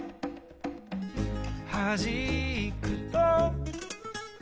「はじくと」